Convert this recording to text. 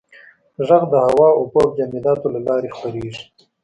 • ږغ د هوا، اوبو او جامداتو له لارې خپرېږي.